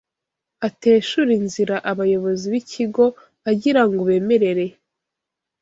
ateshure inzira abayobozi b’ikigo agira ngo bemerere